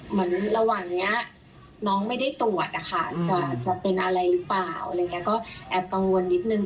เหมือนระหว่างนี้น้องไม่ได้ตรวจนะคะจะเป็นอะไรหรือเปล่าอะไรอย่างนี้ก็แอบกังวลนิดนึง